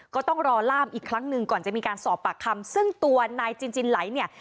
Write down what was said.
ก็ต้องรอล่ามอีกครั้งหนึ่งก่อนจะมีการสอบปากคำซึ่งตัวนายจินจินไหลเนี่ย